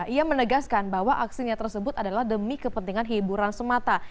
ia menegaskan bahwa aksinya tersebut adalah demi kepentingan hiburan semata